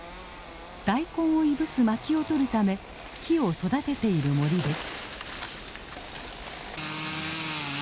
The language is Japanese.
大根をいぶす薪をとるため木を育てている森です。